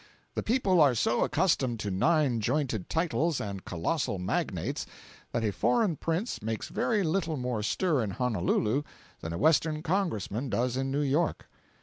The people are so accustomed to nine jointed titles and colossal magnates that a foreign prince makes very little more stir in Honolulu than a Western Congressman does in New York.